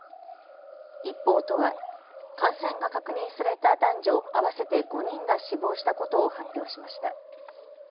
一方、都は感染が確認された男女合わせて５人が死亡したことを発表しました。